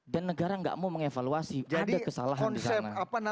dan negara enggak mau mengevaluasi ada kesalahan di sana